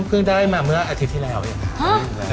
เพิ่งได้มาเมื่ออาทิตย์ที่แล้วเอง